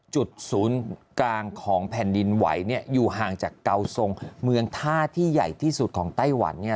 จุดศูนย์กลางของแผ่นดินไหวอยู่ห่างจากเกาทรงเมืองท่าที่ใหญ่ที่สุดของไต้หวันเนี่ย